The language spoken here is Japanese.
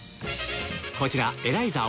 こちらエライザ